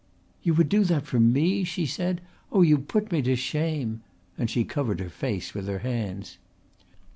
"You would do that for me?" she said. "Oh, you put me to shame!" and she covered her face with her hands.